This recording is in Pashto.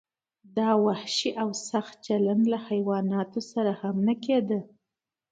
دا وحشي او سخت چلند له حیواناتو سره هم نه کیده.